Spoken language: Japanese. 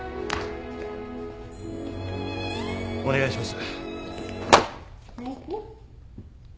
お願いします。